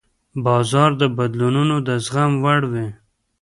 بازار د بدلونونو د زغم وړ وي.